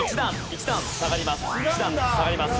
１段下がります。